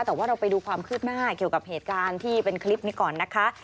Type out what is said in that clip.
แต่ว่าเราไปดูความคืบหน้าเกี่ยวกับเหตุการณ์ที่เป็นคลิปนี้ก่อนนะคะ